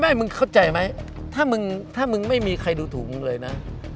มึงเข้าใจไหมถ้ามึงถ้ามึงไม่มีใครดูถูกมึงเลยนะ